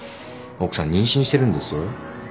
奥さん妊娠してるんですよ。